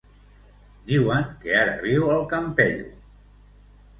Diuen que ara viu al Campello.